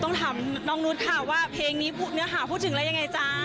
ต้องถามน้องนุ๊ดค่ะว่าเพลงนี้พูดถึงอะไรยังไงจ๊ะ